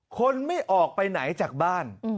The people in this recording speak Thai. คนไม่ออกไปไหนจากบ้าน